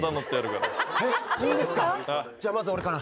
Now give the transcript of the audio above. じゃあまず俺から。